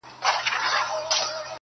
o یو څوک دي ووایي چي کوم هوس ته ودرېدم .